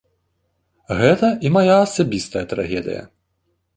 Гэта і мая асабістая трагедыя.